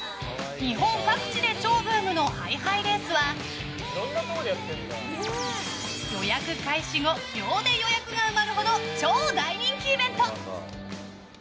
日本各地で超ブームのハイハイレースは予約開始後秒で予約が埋まるほど超大人気イベント！